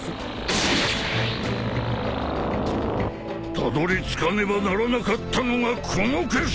たどりつかねばならなかったのがこの決戦！